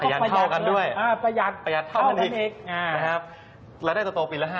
แล้วก็ประยัดกันกันอีกพยานเข้ากันด้วยและตัวโตปีละ๕